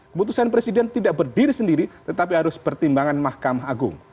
keputusan presiden tidak berdiri sendiri tetapi harus pertimbangan mahkamah agung